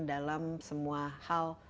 dalam semua hal